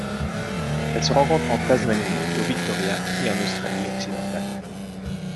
Elles se rencontrent en Tasmanie, au Victoria et en Australie Occidentale.